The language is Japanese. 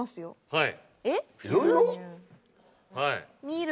はい。